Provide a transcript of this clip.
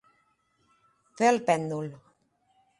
Fer el pèndol.